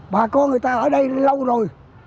bà con người ta ở đây lâu rồi